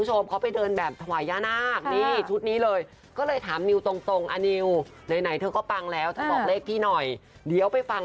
ช่างแต่งนกแต่งหน้าช่างมฝังไฟถูกหมดเลยค่ะ